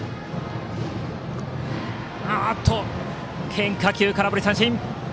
変化球で空振り三振。